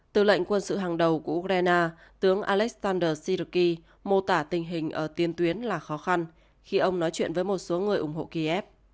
tư lệnh quân sự hàng đầu của ukraine tướng alexander siri mô tả tình hình ở tiên tuyến là khó khăn khi ông nói chuyện với một số người ủng hộ kiev